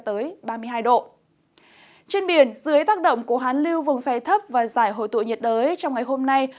trên biển dưới tác động của hán lưu vùng xoay thấp và giải hội tụ nhiệt đới trong ngày hôm nay